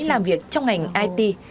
làm việc trong ngành it